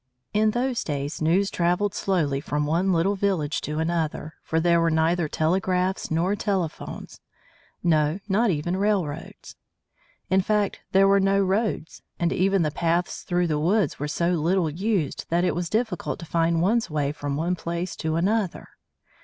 In those days news traveled slowly from one little village to another, for there were neither telegraphs nor telephones; no, not even railroads. In fact, there were no roads, and even the paths through the woods were so little used that it was difficult to find one's way from one place to another.